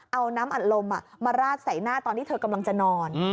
เอาน้ำอัดลมมาราดใส่หน้าตอนที่เธอกำลังจะนอน